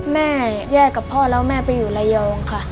แม่แยกกับพ่อแล้วแม่ไปอยู่ระยองค่ะ